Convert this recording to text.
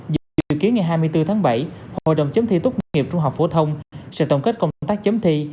dự kiến ngày hai mươi bốn tháng bảy hội đồng chấm thi tốt nghiệp trung học phổ thông sẽ tổng kết công tác chấm thi